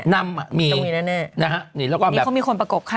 นี้เขามีคนประกบข้าง